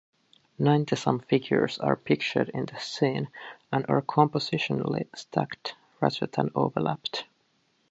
Ninety-some figures are pictured in this scene, and are compositionally stacked rather than overlapped.